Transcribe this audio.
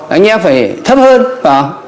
anh em phải thấp hơn phải không